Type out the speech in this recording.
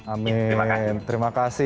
amin terima kasih